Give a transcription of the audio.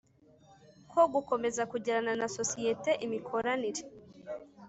ko gukomeza kugirana na sosiyete imikoranire